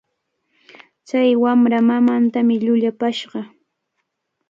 Chay wamra mamantami llullapashqa.